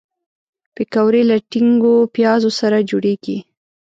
پکورې له ټینګو پیازو سره جوړیږي